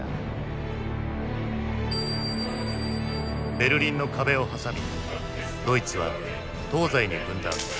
ベルリンの壁を挟みドイツは東西に分断。